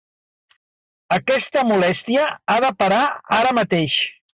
Aquesta molèstia ha de parar ara mateix.